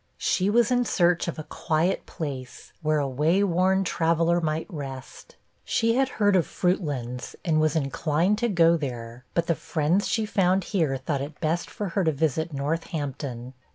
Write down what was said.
'She was in search of a quiet place, where a way worn traveller might rest. She had heard of Fruitlands, and was inclined to go there; but the friends she found here thought it best for her to visit Northampton.